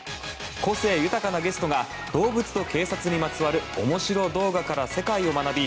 個性豊かなゲストが動物と警察にまつわる面白動画から世界を学び